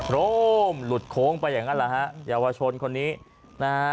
โรมหลุดโค้งไปอย่างนั้นแหละฮะเยาวชนคนนี้นะฮะ